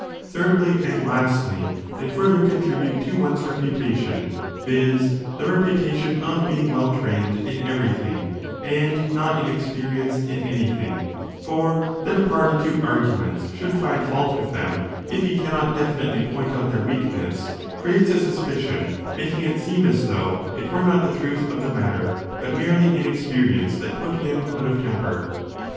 Thirdly and lastly, they further contribute to one s reputation, viz. the reputation of being well trained in everything, and not inexperienced in anything : for that a party to arguments should find fault with them, if he cannot definitely point out their weakness, creates a suspicion, TS making it seem as though it were not the truth of the matter but merely inexperience that put him out of temper.